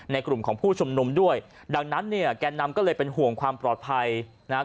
กลุ่มของผู้ชุมนุมด้วยดังนั้นเนี่ยแกนนำก็เลยเป็นห่วงความปลอดภัยนะครับ